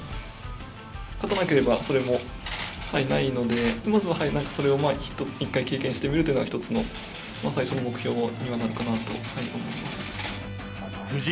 勝たなければ、それもないので、まずはそれを一回経験してみるというのが、一つの最初の目標にはなるかなと思います。